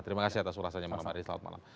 terima kasih atas ulasannya